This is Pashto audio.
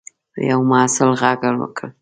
یوه محصل غږ وکړ.